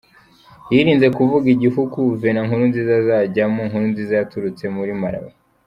Yirinze kuvuga igihugu Venant Nkurunziza azajyamo, Nkurunziza yaturutse muri Malawi.